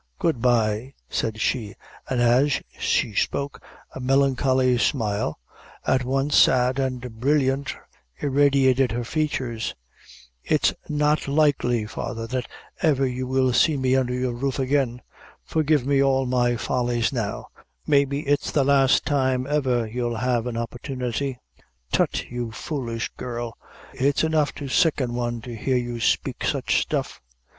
"Good bye," said she; and as she spoke, a melancholy smile at once sad and brilliant irradiated her features. "It's not likely, father, that ever you'll see me under your roof again. Forgive me all my follies now, maybe it's the last time ever you'll have an opportunity." "Tut, you foolish girl; it's enough to sicken one to hear you spake such stuff!"